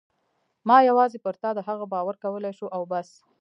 ما یوازې پر تا د هغه باور کولای شو او بس.